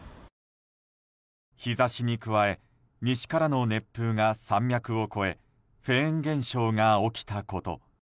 日差しに加え西からの熱風が山脈を越えフェーン現象が起きたこと。